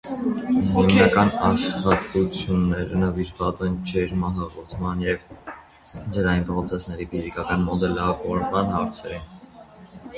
Հիմնական աշխատությունները նվիրված են ջերմահաղորդման և ջրային պրոցեսների ֆիզիկական մոդելավորման հարցերին։